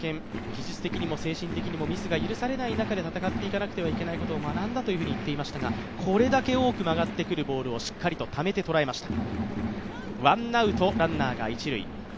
技術的にも精神的にもミスが許されない中で戦ってはいけないことを学んだと言っていましたが、これだけ大きく曲がってくるボールをしっかりとためて捉えました。